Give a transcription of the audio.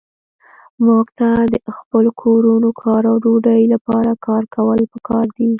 موږ ته د خپلو کورونو، کار او ډوډۍ لپاره کار کول پکار دي.